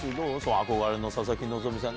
憧れの佐々木希さんに。